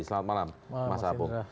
selamat malam mas apung